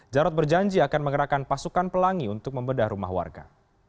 jarod berjanji akan mengerahkan pasukan pelangi untuk membedah rumah warga